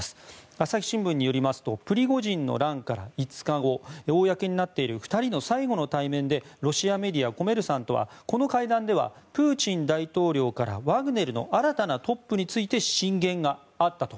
朝日新聞によりますとプリゴジンの乱から５日後公になっている２人の最後の対面でロシアメディア、コメルサントはこの会談ではプーチン大統領からワグネルの新たなトップについて進言があったと。